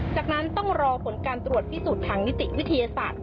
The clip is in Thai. จากนั้นต้องรอผลการตรวจพิสูจน์ทางนิติวิทยาศาสตร์